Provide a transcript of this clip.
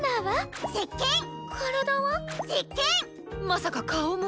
まさか顔も。